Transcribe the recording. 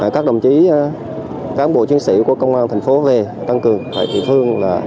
các đồng chí cán bộ chiến sĩ của công an thành phố về tăng cường tại địa phương